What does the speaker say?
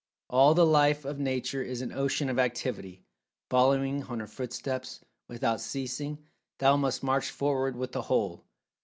"All the life of Nature is an ocean of Activity; following on her footsteps, without ceasing, thou must march forward with the whole.